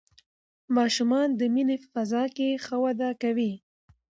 ماشومان د مینې په فضا کې ښه وده کوي